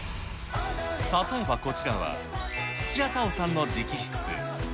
例えばこちらは、土屋太鳳さんの直筆。